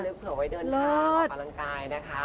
จะเลือกเพื่อไว้เดินทางพลังกายนะคะ